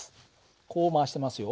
こう回してますよ。